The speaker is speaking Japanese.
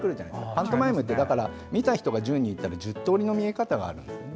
パントマイムって見た人が１０人いたら１０通りの見え方があるんです。